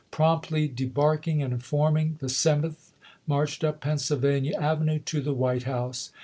Promptly debarking and forming, the Seventh marched up Pennsylvania Avenue to the White House.